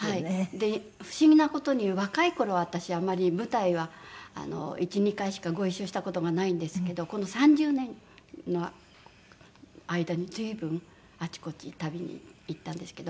で不思議な事に若い頃私あまり舞台は１２回しかご一緒した事がないんですけどこの３０年の間に随分あちこち旅に行ったんですけど。